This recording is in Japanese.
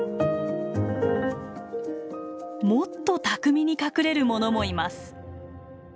もっと巧みに隠れるものもいます。